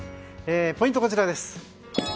ポイントはこちらです。